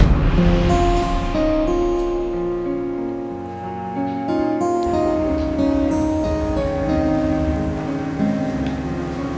terima kasih gue